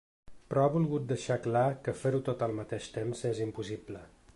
Però ha volgut deixar clar que fer-ho tot al mateix temps és impossible.